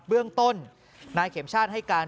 เบื้องต้นนายเข็มชาติให้การ